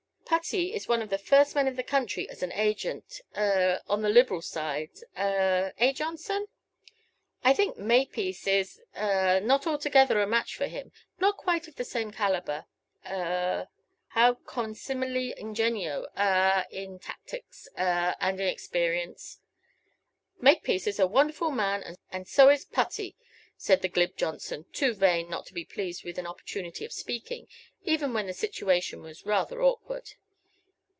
Putty is one of the first men of the country as an agent a on the Liberal side a eh, Johnson? I think Makepiece is a not altogether a match for him, not quite of the same calibre a haud consimili ingenio a in tactics a and in experience?" "Makepiece is a wonderful man, and so is Putty," said the glib Johnson, too vain not to be pleased with an opportunity of speaking, even when the situation was rather awkward.